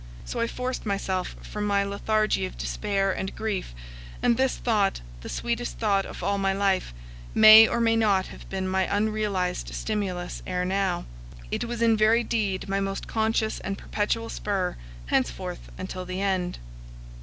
So I forced myself from my lethargy of despair and grief; and this thought, the sweetest thought of all my life, may or may not have been my unrealized stimulus ere now; it was in very deed my most conscious and perpetual spur henceforth until the end.